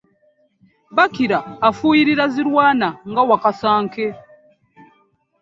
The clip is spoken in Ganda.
Bakira afuuyirira zirwana nga wakasanke.